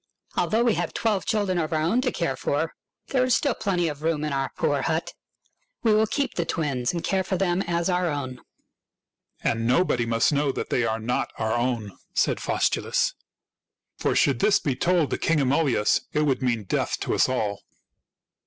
" Although we have twelve children of our own to care for, there is still plenty of room in our poor hut. We will keep the twins and care for them as our own." " And nobody must know that they are not our 1 88 THIRTY MORE FAMOUS STORIES own," said Faustulus; "for should this be told to King Amulius it would mean death to us all."